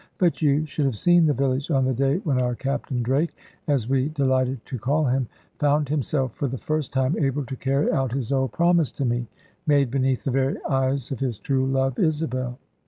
But you should have seen the village on the day when our Captain Drake as we delighted to call him found himself for the first time able to carry out his old promise to me, made beneath the very eyes of his true love, Isabel.